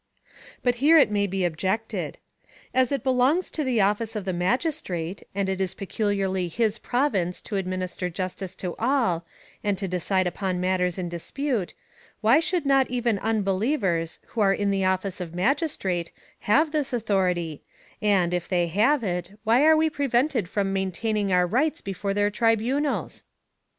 ^ But here it may be objected :" As it belongs to the office of the magistrate, and as it is peculiarly his province to ad minister justice to all, and to decide upon matters in dispute, w^hy should not even unbelievers, who are in the office of magistrate, have this authority, and, if they have it, why are we prevented from maintaining our rights before their tri bunals?"